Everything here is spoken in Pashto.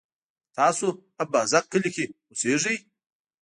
تاسو اببازک کلي کی اوسیږئ؟